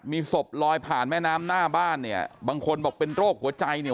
มีศพลอยผ่านแม่น้ำหน้าบ้านเนี่ยบางคนบอกเป็นโรคหัวใจเนี่ย